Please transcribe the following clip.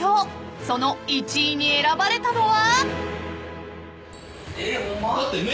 ［その１位に選ばれたのは］